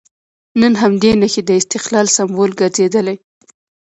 نن همدې نښې د استقلال سمبول ګرځېدلي.